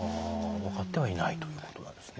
分かってはいないということなんですね。